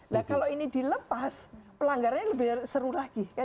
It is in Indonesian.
nah kalau ini dilepas pelanggarannya lebih seru lagi